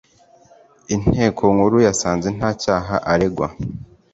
Inteko nkuru yasanze nta cyaha aregwa.